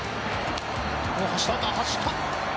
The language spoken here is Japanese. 走った！